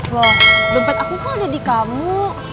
wah dompet aku kan ada di kamu